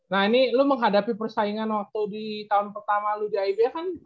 nah ini lu menghadapi persaingan waktu di tahun pertama lu di aib kan